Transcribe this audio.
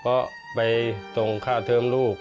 ก็ไปส่งค่าเทิมลูก